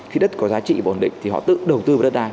khi đất có giá trị và ổn định thì họ tự đầu tư vào đất đai